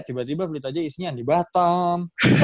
tiba tiba belit aja isinya andi batam